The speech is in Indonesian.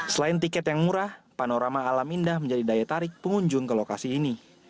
selain tiket yang murah panorama alam indah menjadi daya tarik pengunjung ke lokasi ini